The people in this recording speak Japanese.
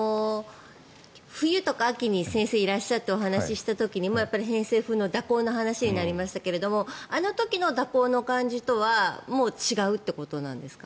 冬とか秋に先生がいらっしゃってお話しした時に偏西風の蛇行の話になりましたがあの時の蛇行の感じとはもう違うということですか？